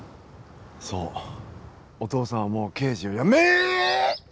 そうお父さんはもう刑事を辞め。ええーっ！？